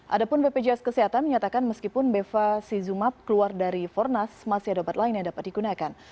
adapun bpjs kesehatan menyatakan meskipun beva sizumap keluar dari fornas masih ada obat lain yang dapat digunakan